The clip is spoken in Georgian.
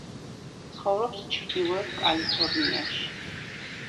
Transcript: ცხოვრობს ჩრდილეოთ კალიფორნიაში.